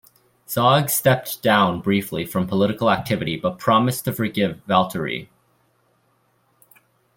Zog stepped down briefly from political activity, but promised to forgive Valteri.